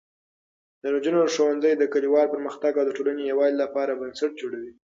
د نجونو ښوونځی د کلیوالو پرمختګ او د ټولنې یووالي لپاره بنسټ جوړوي.